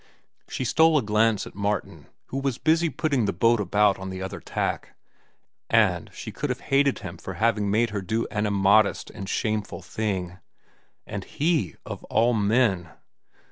She stole a glance at Martin, who was busy putting the boat about on the other tack, and she could have hated him for having made her do an immodest and shameful thing. And he, of all men!